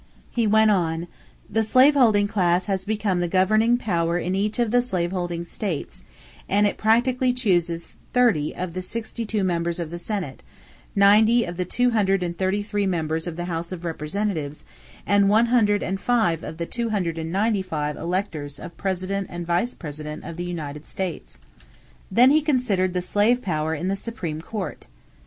He went on: "The slaveholding class has become the governing power in each of the slaveholding states and it practically chooses thirty of the sixty two members of the Senate, ninety of the two hundred and thirty three members of the House of Representatives, and one hundred and five of the two hundred and ninety five electors of President and Vice President of the United States." Then he considered the slave power in the Supreme Court.